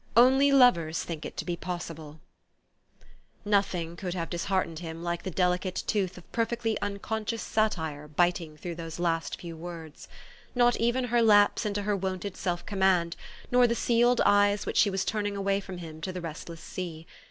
Only lovers think it to be possible." THE STORY OF AVIS. 127 Nothing could have disheartened him like the delicate tooth of perfectly unconscious satire biting through those last few words ; not even her lapse into her wonted self command, nor the sealed eyes which she was turning away from him to the restless sea.